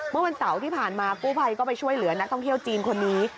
เมื่อวันเสาร์ที่ผ่านมากู้ภัยก็ไปช่วยเหลือนักท่องเที่ยวจีนคนนี้